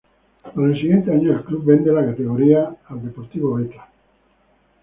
Para el siguiente año, el club vende la categoría al Deportivo Beta.